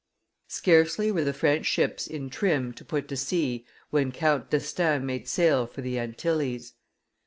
Scarcely were the French ships in trim to put to sea when Count d'Estaing made sail for the Antilles.